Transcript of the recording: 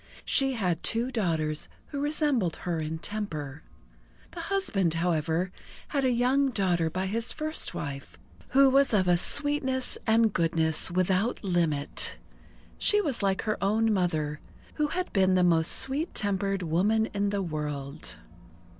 She had two daughters who resembled her in temper. The husband, however, had a young daughter by his first wife, who was of a sweetness and goodness without limit. She was like her own mother, who had been the most sweet tempered woman in the world.